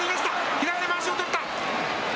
左でまわしを取った。